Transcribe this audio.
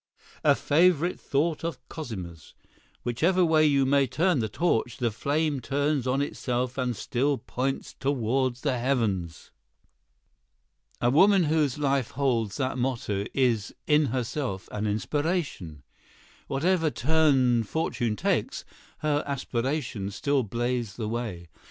'" ("A favorite thought of Cosima's: Whichever way you may turn the torch, the flame turns on itself and still points toward the heavens.'") A woman whose life holds that motto is in herself an inspiration. Whatever turn fortune takes, her aspirations still blaze the way.